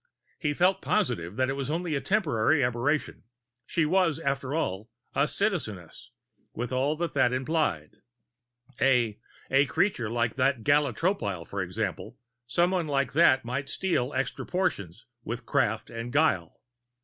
He felt positive that it was only a temporary aberration; she was, after all, a Citizeness, with all that that implied. A a creature like that Gala Tropile, for example someone like that might steal extra portions with craft and guile.